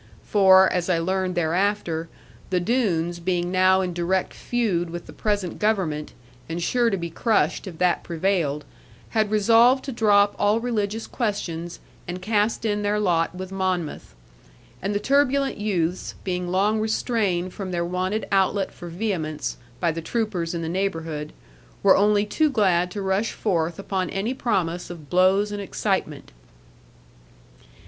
For (as I learned thereafter) the Doones being now in direct feud with the present Government, and sure to be crushed if that prevailed, had resolved to drop all religious questions, and cast in their lot with Monmouth. And the turbulent youths, being long restrained from their wonted outlet for vehemence, by the troopers in the neighbourhood, were only too glad to rush forth upon any promise of blows and excitement.